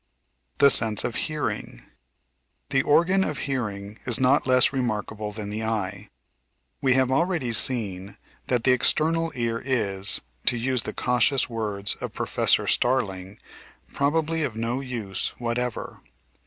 The Sense of Hearing The organ of hearing is not less remarkable than the eye. We have already seen that the external ear is, to use the cautious words of Professor Starling, probably of no use whatever.